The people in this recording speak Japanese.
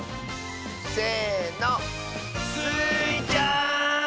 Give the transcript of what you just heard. せの！スイちゃん！